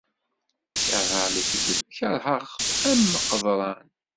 Kerheɣ lekdeb, kerheɣ-t am qeḍran.